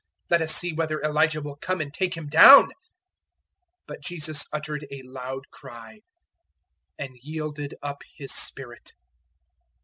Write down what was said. let us see whether Elijah will come and take him down." 015:037 But Jesus uttered a loud cry and yielded up His spirit.